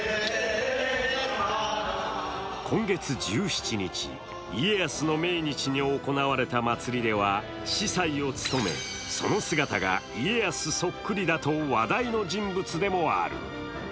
今月１７日、家康の命日に行われた祭りでは司祭を務めその姿が家康そっくりだと話題の人物でもある。